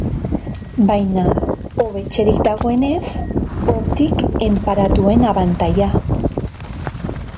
Baina, hobetsirik dagoenez, hortik enparatuen abantaila.